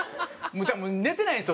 寝てないんですよ